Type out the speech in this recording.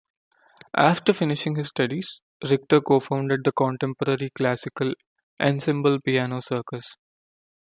After finishing his studies, Richter co-founded the contemporary classical ensemble Piano Circus.